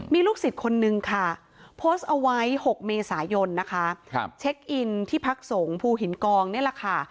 มีลูกศิษย์คนนึงค่ะโพสต์เอาไว้๖เมษายนนะคะเช็คอินที่พักสงฆ์ภูหินกองนี่แหละค่ะ